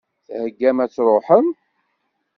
Theggam ad tṛuḥem?